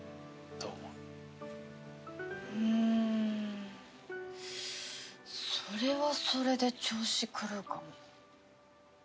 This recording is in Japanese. うーん。それはそれで調子狂うかも。